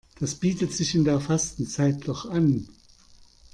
Das bietet sich in der Fastenzeit doch an.